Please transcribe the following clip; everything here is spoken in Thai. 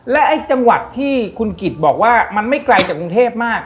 และไอ้จังหวัดที่คุณกิจบอกว่ามันไม่ไกลจากกรุงเทพมาก